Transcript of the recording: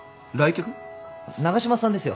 長嶋さんですよ。